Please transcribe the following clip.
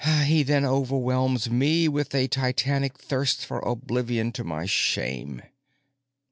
He then overwhelms me with a titanic thirst for oblivion to my shame."